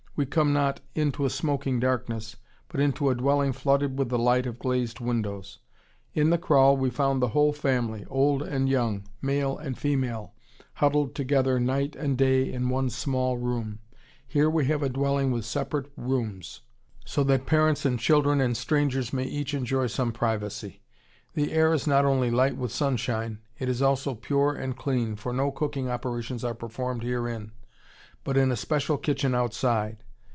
We come not into a smoky darkness, but into a dwelling flooded with the light of glazed windows. In the kraal we found the whole family, old and young, male and female, huddled together night and day in the one small room; here we have a dwelling with separate rooms, so that parents and children and strangers may each enjoy some privacy. The air is not only light with sunshine; it is also pure and clean, for no cooking operations are performed herein, but in a special kitchen outside.